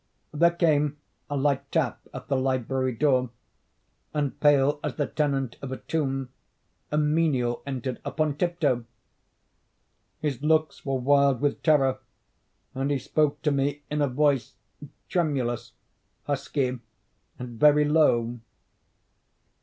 There came a light tap at the library door—and, pale as the tenant of a tomb, a menial entered upon tiptoe. His looks were wild with terror, and he spoke to me in a voice tremulous, husky, and very low.